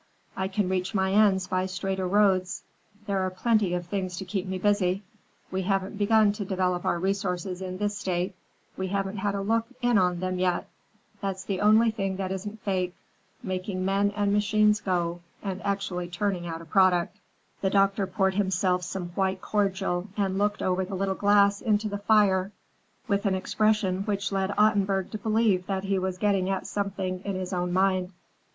I can reach my ends by straighter roads. There are plenty of things to keep me busy. We haven't begun to develop our resources in this State; we haven't had a look in on them yet. That's the only thing that isn't fake—making men and machines go, and actually turning out a product." The doctor poured himself some white cordial and looked over the little glass into the fire with an expression which led Ottenburg to believe that he was getting at something in his own mind.